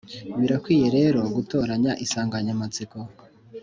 birakwiye rero gutoranya insanganyamatsiko,